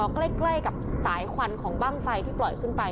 ใกล้กับสายควันของบ้างไฟที่ปล่อยขึ้นไป